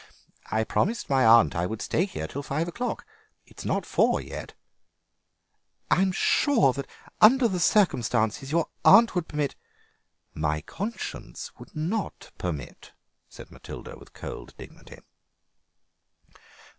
"I promised my aunt I would stay here till five o'clock; it's not four yet." "I am sure, under the circumstances, your aunt would permit—" "My conscience would not permit," said Matilda with cold dignity.